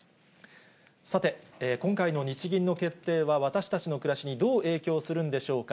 さて、今回の日銀の決定は、私たちの暮らしにどう影響するんでしょうか。